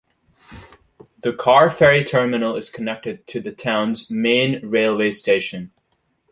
The car ferry terminal is connected to the town's main railway station.